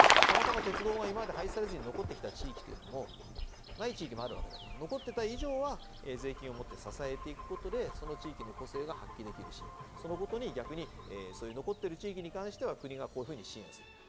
たまたま鉄道は今まで廃止されずに残ってきた地域というのもない地域もあるわけだけど残ってた以上は税金をもって支えていくことでその地域の個性が発揮できるしそのことに逆にそういう残ってる地域に関しては国がこういうふうに支援する。